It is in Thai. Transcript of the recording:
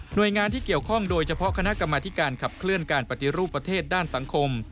โดยงานที่เกี่ยวข้องโดยเฉพาะคณะกรรมธิการขับเคลื่อนการปฏิรูปประเทศด้านสังคม